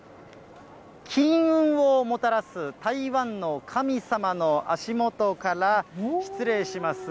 金運をもたらす台湾の神様の足元から、失礼します。